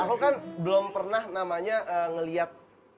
aku kan belum pernah namanya ngeliat